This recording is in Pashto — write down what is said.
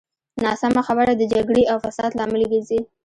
ناسمه خبره د جګړې او فساد لامل ګرځي.